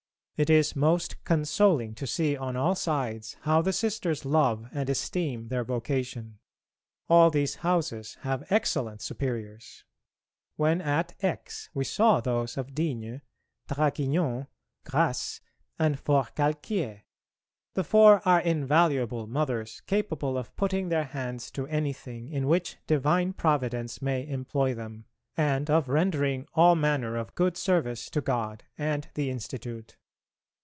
It is most consoling to see on all sides how the Sisters love and esteem their vocation. All these houses have excellent Superiors. When at Aix we saw those of Digne, Draguignan, Grasse, and Forcalquier. The four are invaluable Mothers capable of putting their hands to anything in which divine Providence may employ them, and of rendering all manner of good service to God and the Institute.